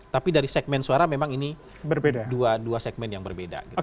tapi dari segmen suara memang ini dua segmen yang berbeda gitu